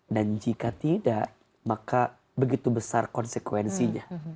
dan jika tidak maka begitu besar konsekuensinya